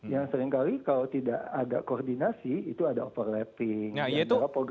yang seringkali kalau tidak ada koordinasi itu ada overlapping